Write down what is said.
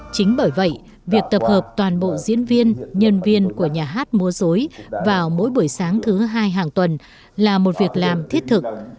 chính bởi vậy việc tập hợp toàn bộ diễn viên nhân viên của nhà hát múa dối vào mỗi buổi sáng thứ hai hàng tuần là một việc làm thiết thực